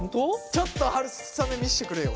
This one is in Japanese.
ちょっとはるさめ見せてくれよ